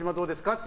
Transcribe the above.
って。